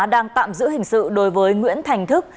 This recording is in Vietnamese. đang tạm giữ hình sự đối với nguyễn thành thức